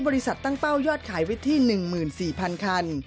ตั้งเป้ายอดขายไว้ที่๑๔๐๐คัน